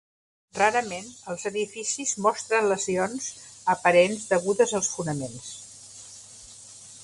Rarament els edificis mostren lesions aparents degudes als fonaments.